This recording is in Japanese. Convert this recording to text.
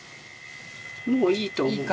もういいと思う。